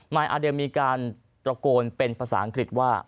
อาเดมมีการตระโกนเป็นภาษาอังกฤษว่า